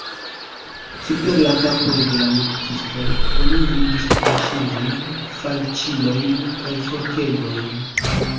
Super la kapoj de la militistoj oni vidis draŝilojn, falĉilojn kaj forkegojn.